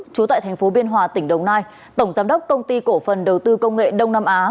trú tại thành phố biên hòa tỉnh đồng nai tổng giám đốc công ty cổ phần đầu tư công nghệ đông nam á